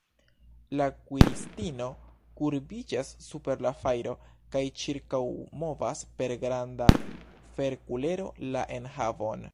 La kuiristino kurbiĝas super la fajro, kaj ĉirkaŭmovas per granda ferkulero la enhavon.